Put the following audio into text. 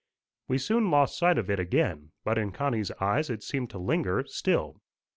We soon lost sight of it again, but in Connie's eyes it seemed to linger still.